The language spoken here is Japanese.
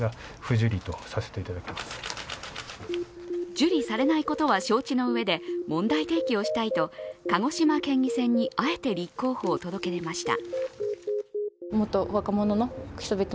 受理されないことは承知のうえで、問題提起をしたいと鹿児島県議選にあえて立候補を届け出ました。